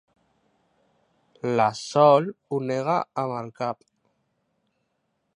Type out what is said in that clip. La Sol ho nega amb el cap.